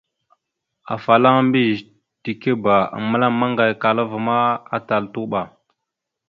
Afalaŋa mbiyez tikeba a məlam maŋgayakala ma, atal tuɓa.